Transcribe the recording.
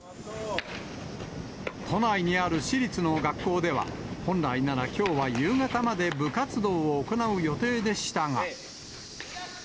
都内にある私立の学校では、本来ならきょうは夕方まで部活動を行う予定でしたが。